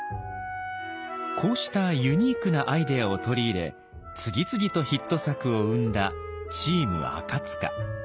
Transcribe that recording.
こうしたユニークなアイデアを取り入れ次々とヒット作を生んだチーム赤。